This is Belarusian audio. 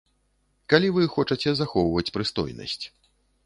Калі вы хочаце захоўваць прыстойнасць.